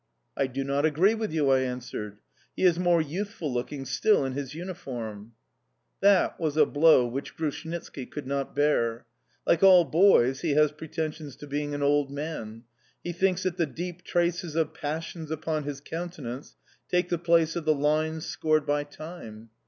"I do not agree with you," I answered: "he is more youthful looking still in his uniform." That was a blow which Grushnitski could not bear: like all boys, he has pretensions to being an old man; he thinks that the deep traces of passions upon his countenance take the place of the lines scored by Time.